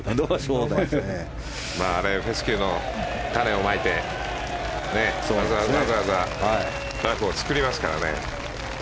フェスキューの種をまいてわざわざラフを作りますからね。